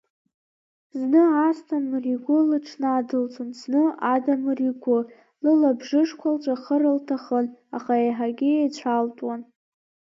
Зны Асҭамыр игәы лыҽнадылҵон, зны Адамыр игәы, лылабжышқәа лҵәахыр лҭахын, аха еиҳагьы еицәалтәуан.